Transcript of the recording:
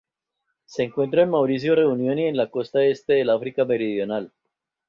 Se encuentra en Mauricio, Reunión y en la costa este del África meridional.